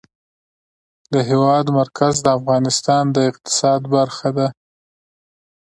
د هېواد مرکز د افغانستان د اقتصاد برخه ده.